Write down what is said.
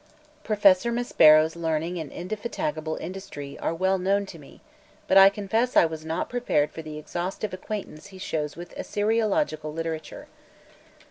Professor Maspero's learning and indefatigable industry are well known to me, but I confess I was not prepared for the exhaustive acquaintance he shows with Assyriological literature.